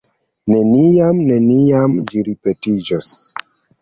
Neniam, neniam ĝi ripetiĝos!